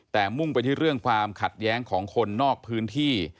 แต่มุ่งไปที่เรื่องความขัดแย้งของคนนอกพื้นที่